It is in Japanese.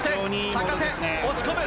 坂手押し込む！